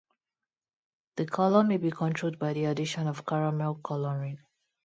The colour may be controlled by the addition of caramel colouring.